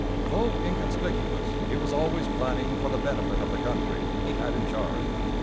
Though inconspicuous, he was always planning for the benefit of the country he had in charge.